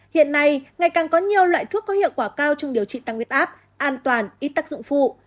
hiện nay ngày càng có nhiều loại thuốc có hiệu quả cao trong điều trị tăng huyết áp an toàn ít tác dụng phụ